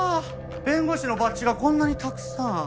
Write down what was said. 弁護士のバッジがこんなにたくさん。